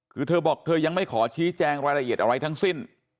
คือเธอบอกเธอยังไม่ขอชี้แจงรายละเอียดอะไรทั้งสิ้น